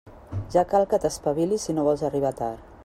Ja cal que t'espavilis si no vols arribar tard.